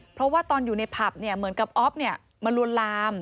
เพราะว่าตอนอยู่ในผับเนี่ยเหมือนกับอฟเนี่ยมาลวนลาม